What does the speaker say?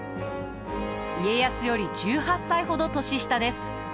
家康より１８歳ほど年下です。